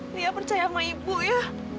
lia percaya sama ibu ya